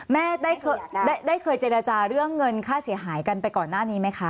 แม่ได้เคยเจรจาเรื่องเงินค่าเสียหายกันไปก่อนหน้านี้ไหมคะ